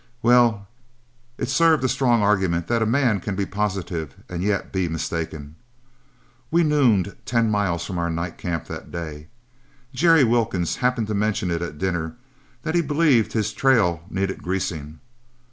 Well, it served a strong argument that a man can be positive and yet be mistaken. We nooned ten miles from our night camp that day. Jerry Wilkens happened to mention it at dinner that he believed his trail needed greasing.